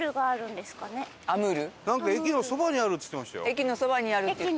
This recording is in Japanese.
駅のそばにあるって言ってた。